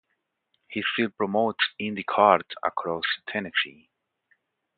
He still promotes indy cards across Tennessee.